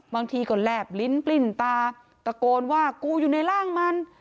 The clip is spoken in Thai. บางทีก็แลบลิ้นปลิ้นตาตะโกนว่ากูอยู่ในร่างมัน